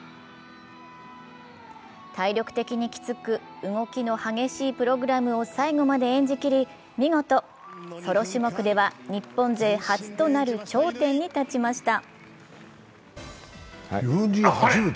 体力的にきつく、動きの激しいプログラムを最後まで演じ切り、見事ソロ種目では日本勢初となる頂点に立ちました。